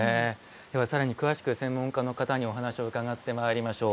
では、さらに詳しく専門家の方にお話を伺ってまいりましょう。